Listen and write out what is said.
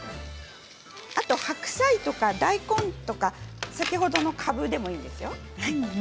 あと白菜とか、大根とか先ほどのかぶでもいいですよ。